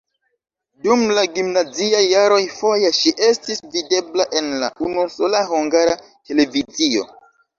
Dum la gimnaziaj jaroj foje ŝi estis videbla en la unusola Hungara Televizio.